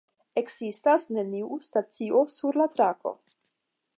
Ekzistas neniu stacio sur la trako.